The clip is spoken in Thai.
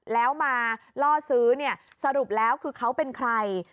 แล้วมาล่อซื้อเนี่ยสรุปแล้วคือเขาเป็นใคร